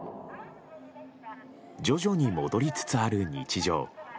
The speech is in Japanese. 徐々に戻りつつある日常。